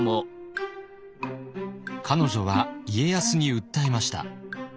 彼女は家康に訴えました。